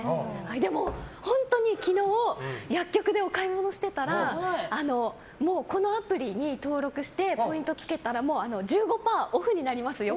でも、本当に昨日薬局でお買い物してたらこのアプリに登録してポイントつけたら１５％オフになりますよ